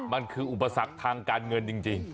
มันคืออุปสรรคทางการเงินจริง